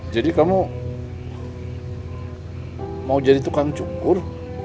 jadi kamu mau jadi tukang cukur